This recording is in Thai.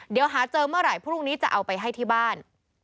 เดี๋ยวหาเจอเมื่อไหร่พรุ่งนี้จะเอาไปให้ที่บ้าน